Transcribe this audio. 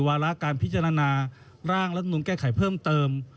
วาระการพิจารณาร่างรัฐมนุนแก้ไขเพิ่มเติม